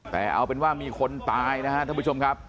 แต่เอาเป็นว่ามีคนตายนะครับท่านผู้ชมครับ